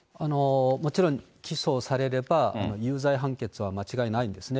もちろん、起訴されれば有罪判決は間違いないんですね。